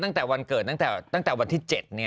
ตั้งแต่วันเกิดตั้งแต่วันที่เจ็ดเนี่ย